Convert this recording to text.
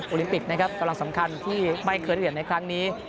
ลิมปิกนะครับกำลังสำคัญที่ไม่เคยได้เหรียญในครั้งนี้